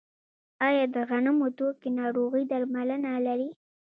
آیا د غنمو تورکي ناروغي درملنه لري؟